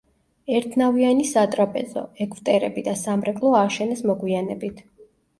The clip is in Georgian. ერთნავიანი სატრაპეზო, ეგვტერები და სამრეკლო ააშენეს მოგვიანებით.